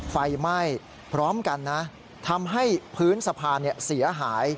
ไฟไหม้พร้อมกันนะทำให้พื้นสะพานเสียหาย